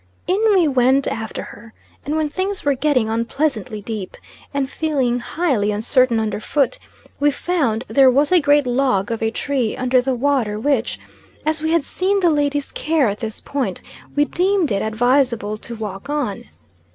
In we went after her, and when things were getting unpleasantly deep, and feeling highly uncertain under foot, we found there was a great log of a tree under the water which, as we had seen the lady's care at this point, we deemed it advisable to walk on.